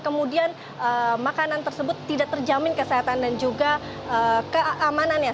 kemudian makanan tersebut tidak terjamin kesehatan dan juga keamanannya